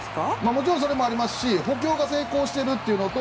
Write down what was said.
もちろんそれもありますし補強が成功しているのと